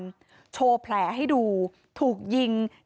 มีชายแปลกหน้า๓คนผ่านมาทำทีเป็นช่วยค่างทาง